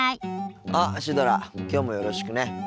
あっシュドラきょうもよろしくね。